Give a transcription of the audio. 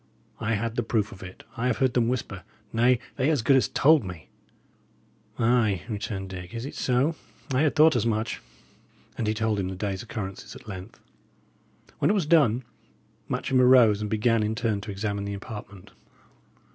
I had the proof of it; I have heard them whisper; nay, they as good as told me." "Ay," returned Dick, "is it so? I had thought as much." And he told him the day's occurrences at length. When it was done, Matcham arose and began, in turn, to examine the apartment.